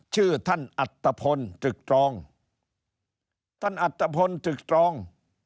คือท่านอัตภะพลติกทรอง